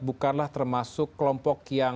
bukanlah termasuk kelompok yang